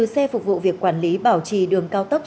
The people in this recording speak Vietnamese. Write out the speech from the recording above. xe phục vụ việc quản lý bảo trì đường cao tốc